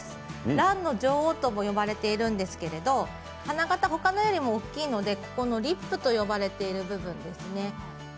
ランの女王とも呼ばれているんですけど花形、他のものより大きいのでリップと呼ばれている部分です。